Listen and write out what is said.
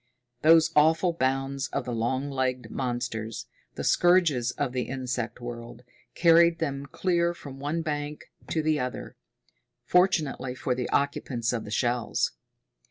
Those awful bounds of the long legged monsters, the scourges of the insect world, carried them clear from one bank to the other fortunately for the occupants of the shells.